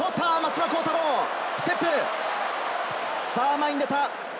前に出た。